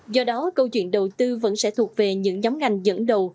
do đó câu chuyện đầu tư vẫn sẽ thuộc về những nhóm ngành dẫn đầu